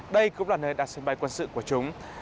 đây cũng là nơi đặt sân bay quân sự của chúng